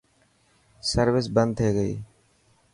سروس بند ٿي گئي.